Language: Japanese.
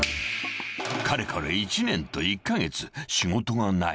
［かれこれ１年と１カ月仕事がない］